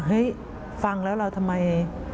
ฟังแล้วเราทำไม